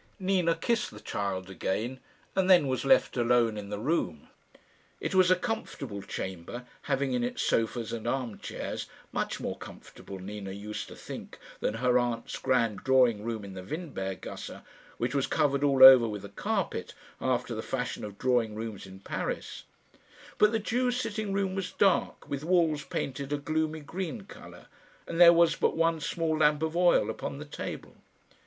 Nina kissed the child again, and then was left alone in the room. It was a comfortable chamber, having in it sofas and arm chairs much more comfortable, Nina used to think, than her aunt's grand drawing room in the Windberg gasse, which was covered all over with a carpet, after the fashion of drawing rooms in Paris; but the Jew's sitting room was dark, with walls painted a gloomy green colour, and there was but one small lamp of oil upon the table.